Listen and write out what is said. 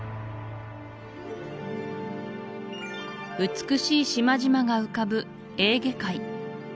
美しい島々が浮かぶエーゲ海